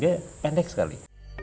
dia pendek sekali